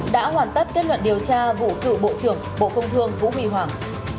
đã hoàn tất kết luận điều tra vụ cựu bộ trưởng bộ công thương vũ huy hoàng